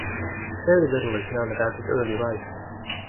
Very little is known about his early life.